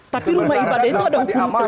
tapi rumah ibadah itu ada hukum itu sendiri